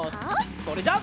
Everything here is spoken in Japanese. それじゃあ。